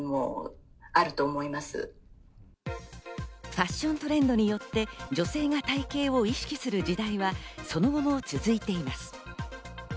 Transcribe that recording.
ファッショントレンドによって女性が体形を意識する時代は、その後も続いています。